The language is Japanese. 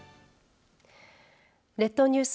列島ニュース